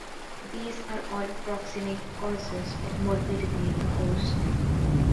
These are all proximate causes of morbidity in the host.